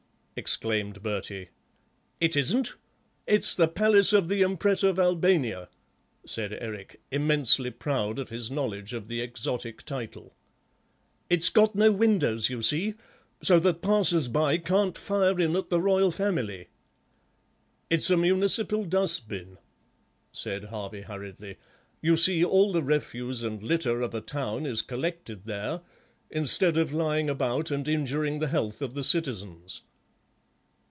exclaimed Bertie. "It isn't, it's the palace of the Mpret of Albania," said Eric, immensely proud of his knowledge of the exotic title; "it's got no windows, you see, so that passers by can't fire in at the Royal Family." "It's a municipal dust bin," said Harvey hurriedly; "you see all the refuse and litter of a town is collected there, instead of lying about and injuring the health of the citizens."